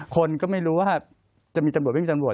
คนก็ไม่รู้ว่าจะมีตำรวจไม่มีตำรวจ